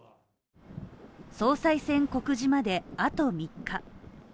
総裁選告示まで、あと３日。